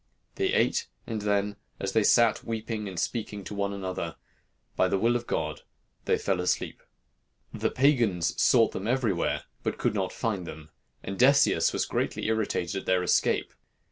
They ate, and then, as they sat weeping and speaking to one another, by the will of God they fell asleep. "The pagans sought everywhere, but could not find them, and Decius was greatly irritated at their escape.